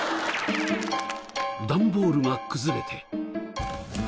段ボールが崩れて。